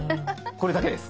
これだけです。